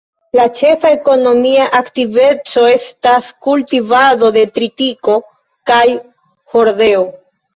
La ĉefa ekonomia aktiveco estas kultivado de tritiko kaj hordeo.